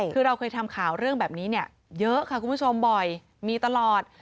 คือเราเคยทำข่าวเรื่องแบบนี้เนี่ยเยอะค่ะคุณผู้ชมบ่อยมีตลอด